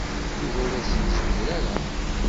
Yuba ur as-yezmir ara.